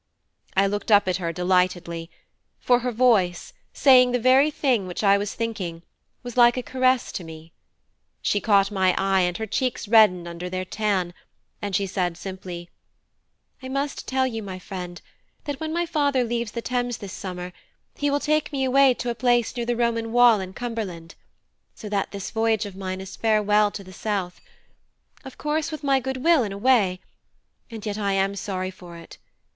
I looked up at her delightedly; for her voice, saying the very thing which I was thinking, was like a caress to me. She caught my eye and her cheeks reddened under their tan, and she said simply: "I must tell you, my friend, that when my father leaves the Thames this summer he will take me away to a place near the Roman wall in Cumberland; so that this voyage of mine is farewell to the south; of course with my goodwill in a way; and yet I am sorry for it.